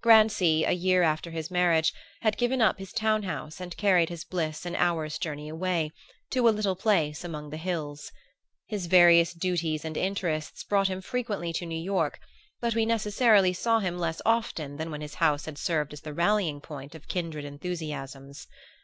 Grancy, a year after his marriage, had given up his town house and carried his bliss an hour's journey away, to a little place among the hills. His various duties and interests brought him frequently to New York but we necessarily saw him less often than when his house had served as the rallying point of kindred enthusiasms.